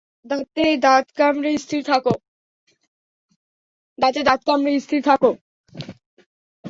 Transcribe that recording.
দাঁতে দাঁত কামড়ে স্থির থাক।